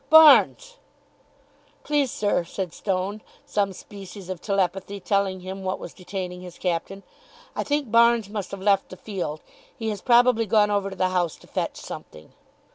"Barnes!" "Please, sir," said Stone, some species of telepathy telling him what was detaining his captain. "I think Barnes must have left the field. He has probably gone over to the house to fetch something."